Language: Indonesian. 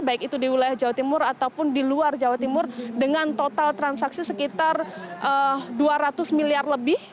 baik itu di wilayah jawa timur ataupun di luar jawa timur dengan total transaksi sekitar dua ratus miliar lebih